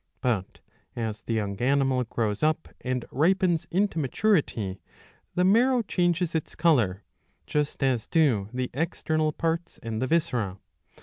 ^ But, as the young animal grows up 651b. ii. 6. 33 and ripens into maturity, the marrow changes its colour, just as do the external parts and the viscera.